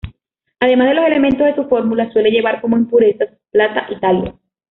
Además de los elementos de su fórmula, suele llevar como impurezas: plata y talio.